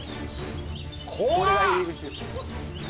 これが入り口ですね